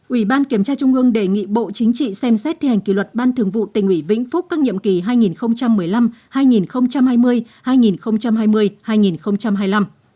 ủy ban kiểm tra trung ương đề nghị bộ chính trị xem xét thi hành kỷ luật ban thường vụ tỉnh ủy vĩnh phúc cắt nhiệm kỳ hai nghìn một mươi năm hai nghìn hai mươi hai nghìn hai mươi